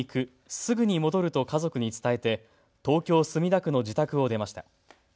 すぐに戻ると家族に伝えて東京墨田区の自宅を出ました。